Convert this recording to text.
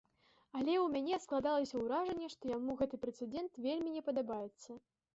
Але ў мяне склалася ўражанне, што яму гэты прэцэдэнт вельмі не падабаецца.